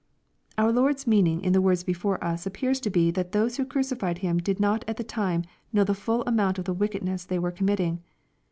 Our Jiord*s meaning in the words before us appears to be thai those who crucified Him did not at the time know the full amount of the wickedness they were committing.